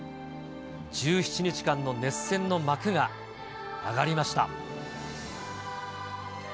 １７日間の熱戦の幕が上がりました。